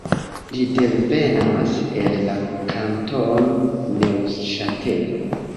Ĝi devenas el la kantono Neŭŝatelo.